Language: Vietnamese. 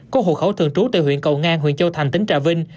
có hộ khẩu thường trú tại huyện cầu ngang huyện châu thành tỉnh trà vinh